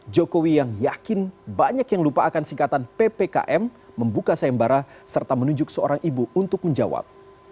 jokowi yang yakin banyak yang lupa akan singkatan ppkm membuka sayembara serta menunjuk seorang ibu untuk menjawab